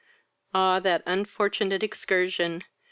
Ah! that unfortunate excursion!